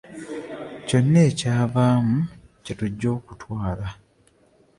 Kyonna ekyavaamu kye tujja okutwala.